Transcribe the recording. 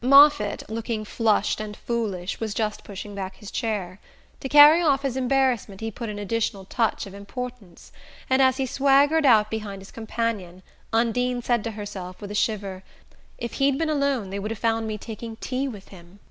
Moffatt, looking flushed and foolish, was just pushing back his chair. To carry off his embarrassment he put an additional touch of importance; and as he swaggered out behind his companion, Undine said to herself, with a shiver: "If he'd been alone they would have found me taking tea with him."